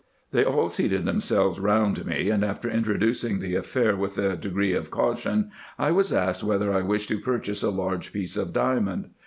They all seated themselves round me, and after introducing the affair with a degree of caution, I was asked, whether I wished to purchase a large piece of diamond.